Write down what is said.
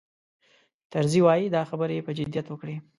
طرزي وایي دا خبرې یې په جدیت وکړې.